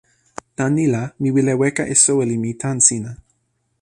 tan ni la, mi wile weka e soweli mi tan sina.